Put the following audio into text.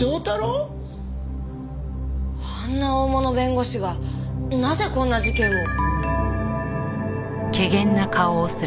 あんな大物弁護士がなぜこんな事件を？